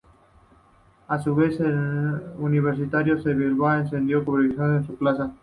A su vez, el Universitario de Bilbao ascendió cubriendo su plaza.